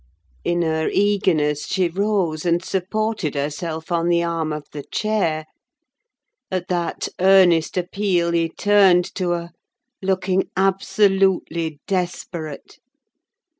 In her eagerness she rose and supported herself on the arm of the chair. At that earnest appeal he turned to her, looking absolutely desperate.